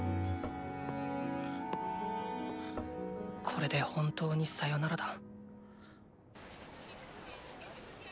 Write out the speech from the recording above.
これで本当にさよならだ。